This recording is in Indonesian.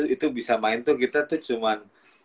itu bisa main tuh kita tuh cuman